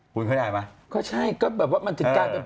คุณเข้าใจไหมก็ใช่ก็แบบว่ามันจัดการ